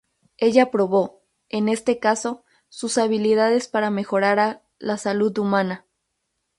Ella probó, en este caso, sus habilidades para mejorara la salud humana.